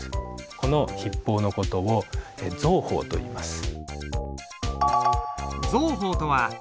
この筆法の事を蔵鋒といいます。